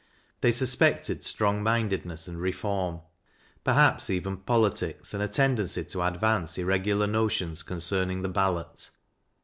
They suspected strong mindedness and "reform" — perhaps even politics and a tendency to advance irregular notions con cerning the ballot.